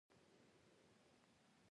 دا تور پوستې ماشومه د يوې اجارهدارې لور وه.